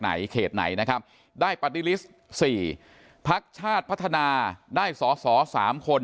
เขตไหนนะครับได้ปาร์ตี้ลิสต์๔พักชาติพัฒนาได้สอสอ๓คน